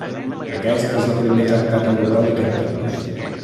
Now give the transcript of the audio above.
Aquest és el primer tractat europeu d'aquest tipus.